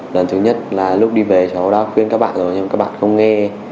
lần thứ nhất là lúc đi về cháu đã khuyên các bạn rồi nhưng các bạn không nghe